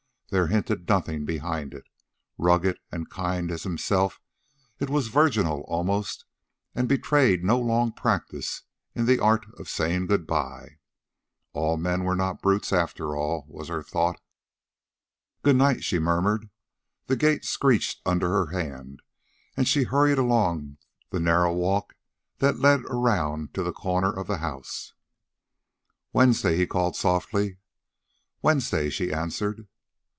There hinted nothing behind it. Rugged and kind as himself, it was virginal almost, and betrayed no long practice in the art of saying good bye. All men were not brutes after all, was her thought. "Good night," she murmured; the gate screeched under her hand; and she hurried along the narrow walk that led around to the corner of the house. "Wednesday," he called softly. "Wednesday," she answered.